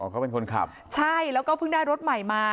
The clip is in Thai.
เขาเป็นคนขับใช่แล้วก็เพิ่งได้รถใหม่มา